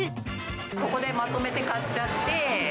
ここでまとめて買っちゃって。